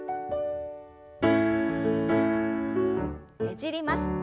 ねじります。